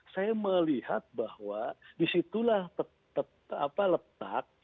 saya melihat bahwa disitulah letak